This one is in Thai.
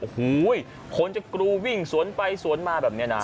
โอ้โฮคนจะกลัววิ่งสวนไปสวนมาแบบนี้เนี่ย